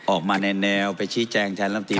ออกมาในแนวไปชี้แจงแทนลำตี